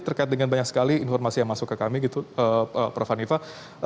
terkait dengan banyak sekali informasi yang masuk ke kami gitu prof hanifah